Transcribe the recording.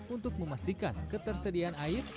untuk memastikan ketersediaan air